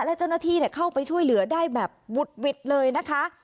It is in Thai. และเจ้าหน้าที่เข้าไปช่วยเหลือได้แบบวุดหวิดเลยนะคะ